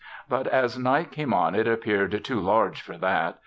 But as night came on it appeared too large for that.